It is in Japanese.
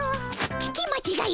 聞きまちがいじゃ。